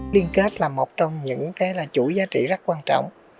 liên kết là một trong những chuỗi giá trị rất quan trọng